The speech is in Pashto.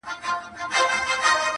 خر حیران وو چي سپی ولي معتبر دی!!